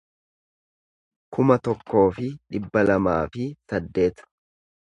kuma tokkoo fi dhibba lamaa fi saddeet